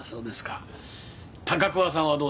高桑さんはどうでしょう？